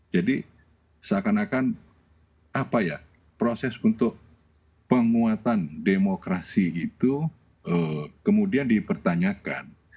jadi seakan akan proses untuk penguatan demokrasi itu kemudian dipertanyakan